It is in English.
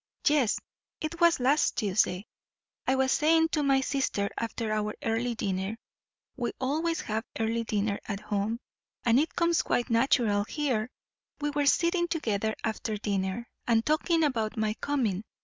yes; it was last Tuesday. I was saying to my sister after our early dinner we always have early dinner at home, and it comes quite natural here we were sitting together after dinner, and talking about my coming.